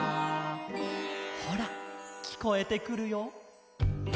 「ほらきこえてくるよ」